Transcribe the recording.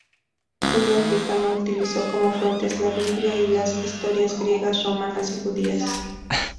Julio Africano utilizó como fuentes la Biblia y las historias griegas, romanas y judías.